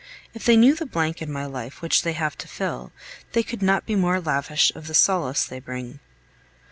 If they knew the blank in my life which they have to fill, they could not be more lavish of the solace they bring.